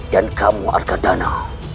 dan kamu akan dana